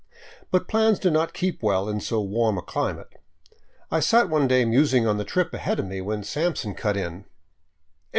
But plans do not keep well in so warm a climate. I sat one day musing on the trip ahead of me, when Sampson cut in: " 'Ere